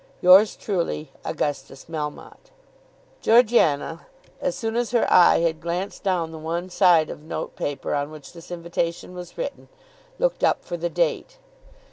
Yours truly, AUGUSTUS MELMOTTE. Georgiana, as soon as her eye had glanced down the one side of note paper on which this invitation was written, looked up for the date.